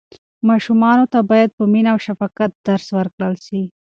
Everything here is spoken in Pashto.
ماشومانو ته باید په مینه او شفقت درس ورکړل سي.